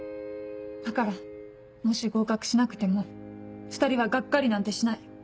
だからもし合格しなくても２人はガッカリなんてしない。